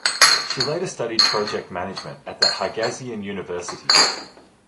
She later studied project management at the Haigazian University.